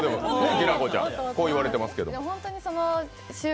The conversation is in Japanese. きらこちゃん、こう言われてますけど。